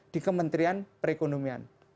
di kementerian perekonomian